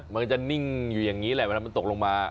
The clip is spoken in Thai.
มันจะนิ่งอยู่อย่างนี้แหละเวลามันตกลงมา